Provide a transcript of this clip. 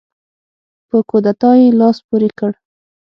په کودتا یې لاس پورې کړ.